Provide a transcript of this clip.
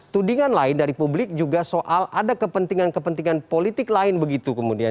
tudingan lain dari publik juga soal ada kepentingan kepentingan politik lain begitu kemudian